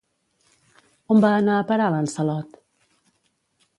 On va anar a parar Lançalot?